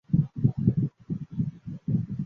蓬莱虱蚜为扁蚜科雕胸扁蚜属下的一个种。